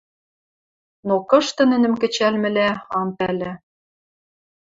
Но кышты нӹнӹм кӹчӓлмӹлӓ, ам пӓлӹ.